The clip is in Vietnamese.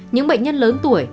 những bệnh nhân lớn tuổi